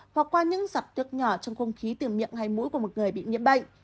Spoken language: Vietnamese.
hoặc qua những giọt nước nhỏ trong không khí từ miệng hay mũi của một người bị nhiễm bệnh